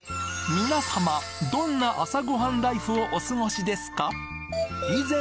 皆さまどんな朝ごはんライフをお過ごしですか？